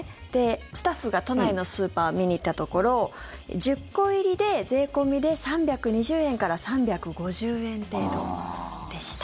スタッフが都内のスーパー見に行ったところ１０個入りで税込みで３２０円から３５０円程度でした。